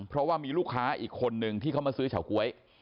เพราะว่ามีลูกค้าอีกคนนึงที่เขามาซื้อเฉาก๊วย